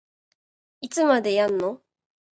いつまでやんの